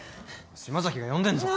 島崎が呼んでんぞ。